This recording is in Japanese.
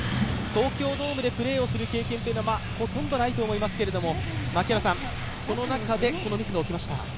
東京ドームでプレーをする経験っていうのはほとんどないと思いますけどその中でこのミスが起きました。